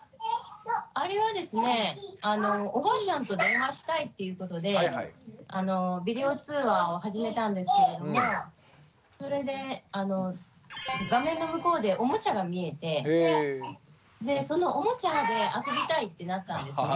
あれはですねおばあちゃんと電話したいっていうことでビデオ通話を始めたんですけれどもそれで画面の向こうでおもちゃが見えてそのおもちゃで遊びたいってなったんですね。